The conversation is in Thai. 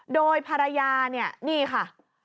โดยภรรยาเนี่ยนี่ค่ะ